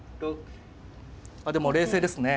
あでも冷静ですね。